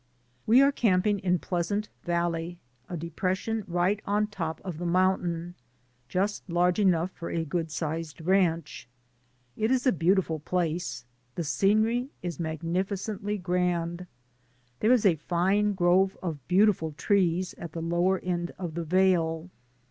We are camping in Pleasant Valley, a de pression right on top of the mountain, just large enough for a good sized ranch. It is a beautiful place, the scenery is magnificently DAYS ON THE ROAD. 255 grand. There is a fine grove of beautiful trees at the lower end of the vale.